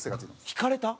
ひかれた？